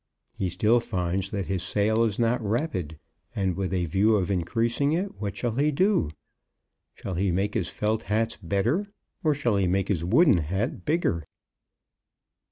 He still finds that his sale is not rapid; and with a view of increasing it, what shall he do? Shall he make his felt hats better, or shall he make his wooden hat bigger?